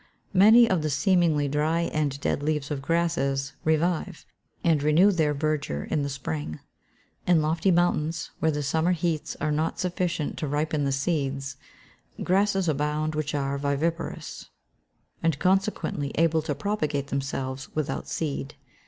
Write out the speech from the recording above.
Many of the seemingly dry and dead leaves of grasses revive, and renew their verdure in the spring. In lofty mountains, where the summer heats are not sufficient to ripen the seeds, grasses abound which are viviparous, and consequently able to propagate themselves without seed.